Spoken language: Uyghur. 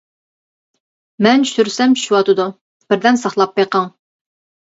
مەن چۈشۈرسەم چۈشۈۋاتىدۇ، بىردەم ساقلاپ بېقىڭ.